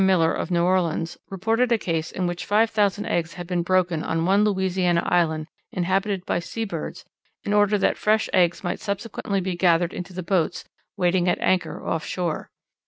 Miller, of New Orleans, reported a case in which five thousand eggs had been broken on one Louisiana island inhabited by sea birds in order that fresh eggs might subsequently be gathered into the boats waiting at anchor off shore.